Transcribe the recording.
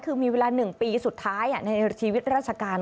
คือมีเวลา๑ปีสุดท้ายในชีวิตราชการ